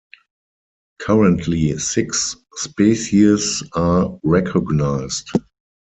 Currently six species are recognized.